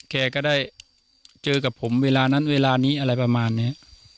แกก็ได้เจอกับผมเวลานั้นเวลานี้อะไรประมาณนี้